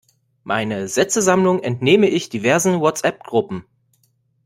Meine Sätzesammlung entnehme ich diversen Whatsappgruppen.